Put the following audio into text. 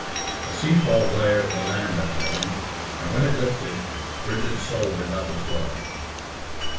A sea fog lay over the land that morning, and when it lifted Bridget's soul went up as well.